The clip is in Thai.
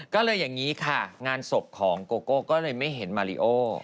ก็เลยอย่างนี้ค่ะงานศพของโกโก้ก็เลยไม่เห็นมาริโอ